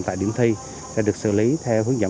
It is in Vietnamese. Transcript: tại điểm thi sẽ được xử lý theo hướng dẫn